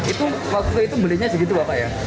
itu waktu itu belinya segitu bapak ya